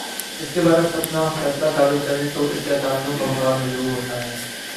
اس کے برعکس اپنا فیصلہ صادر کریں تو اس سے عدالتوں کا وقار مجروح ہوتا ہے